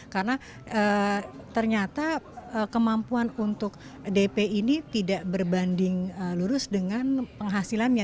karena ternyata kemampuan untuk dp ini tidak berbanding lurus dengan penghasilannya